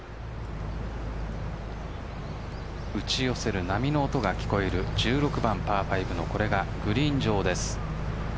打ち寄せる波の音が聞こえる１６番パー５のグリーン上です。